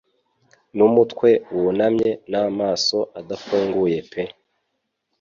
N'umutwe wunamye n'amaso adafunguye pe